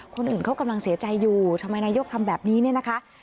คนอื่นเขากำลังเสียใจอยู่ทำไมนายกทำแบบนี้เนี่ยนะคะ